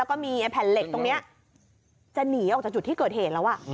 แล้วก็มีแผ่นเหล็กตรงนี้จะหนีออกจากจุดที่เกิดเหตุแล้ว